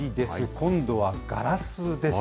今度はガラスです。